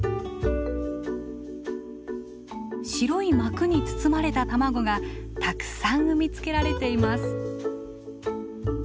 白い膜に包まれた卵がたくさん産み付けられています。